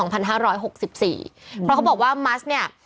เพราะเขาบอกว่ามัสเนี่ย